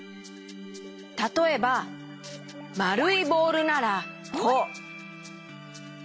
たとえばまるいボールならこう。